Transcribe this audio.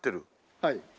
はい。